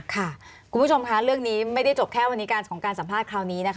คุณผู้ชมค่ะเรื่องนี้ไม่ได้จบแค่วันนี้การของการสัมภาษณ์คราวนี้นะคะ